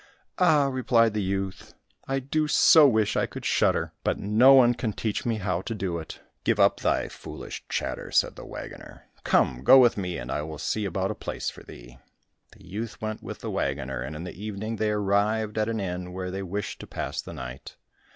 "Ah," replied the youth, "I do so wish I could shudder, but no one can teach me how to do it." "Give up thy foolish chatter," said the waggoner. "Come, go with me, I will see about a place for thee." The youth went with the waggoner, and in the evening they arrived at an inn where they wished to pass the night.